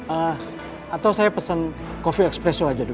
eh atau saya pesen kopi ekspresso aja dulu